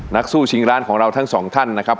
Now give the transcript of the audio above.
นักสู้ชิงร้านของเราทั้งสองท่านนะครับ